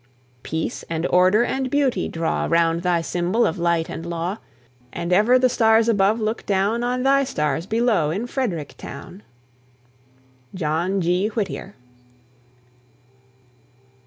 Peace and order and beauty draw Round thy symbol of light and law; And ever the stars above look down On thy stars below in Frederick town! JOHN G. WHITTIER.